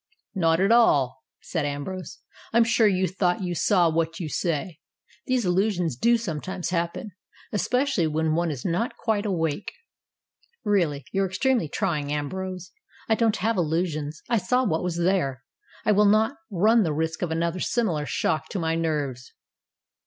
"Not at all," said Ambrose. "I'm sure you thought you saw what you say. These illusions do sometimes happen, especially when one is not quite awake." "Really, you're extremely trying, Ambrose. I don't have illusions. I saw what was there, and I will not run the risk of another similar shock to my nerves."